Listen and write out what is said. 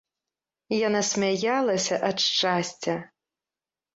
Яна смяялася ад шчасця.